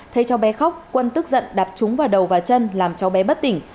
thấy cháu bé khóc quân tức giận đạp trúng vào đầu và chân làm cháu bé bất tỉnh